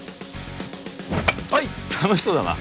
はい楽しそうだな